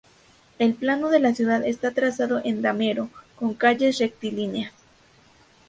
El plano de la ciudad está trazado en damero, con calles rectilíneas.